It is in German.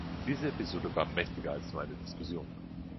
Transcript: Diese Episode war mächtiger als nur eine Diskussion.